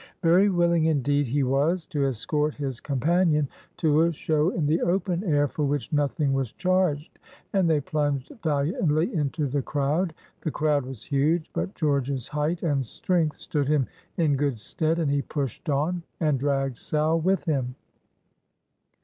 Very willing indeed he was to escort his companion to a show in the open air for which nothing was charged, and they plunged valiantly into the crowd. The crowd was huge, but George's height and strength stood him in good stead, and he pushed on, and dragged Sal with him.